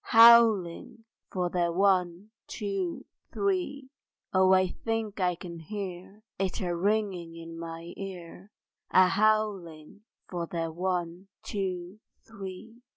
Howling for their One, Two, Three! Oh I think I can hear It a ringing in my ear, A howling for their One, Two, Three!